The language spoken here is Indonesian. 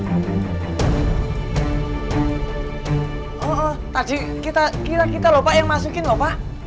oh oh tadi kita kita kita loh pak yang masukin loh pak